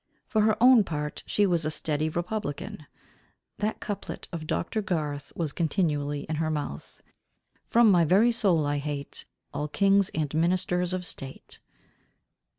For her own part she was a steady republican. That couplet of Dr. Garth was continually in her mouth, _From my very soul I hate, All kings and ministers of state.